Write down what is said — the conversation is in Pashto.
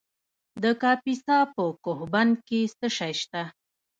د کاپیسا په کوه بند کې څه شی شته؟